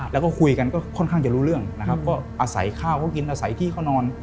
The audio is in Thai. แล้วก็คุยกันก็ค่อนข้างจะรู้เรื่องนะครับก็อาศัยข้าวเขากินอาศัยที่เขานอน